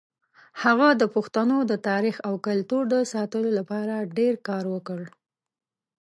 هغه د پښتنو د تاریخ او کلتور د ساتلو لپاره ډېر کار وکړ.